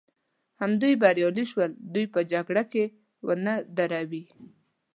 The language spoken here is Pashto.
همدوی بریالي شول، دوی به جګړه ونه دروي.